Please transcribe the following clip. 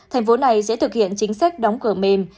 thành phố này sẽ thực hiện chính sách đóng cửa mềm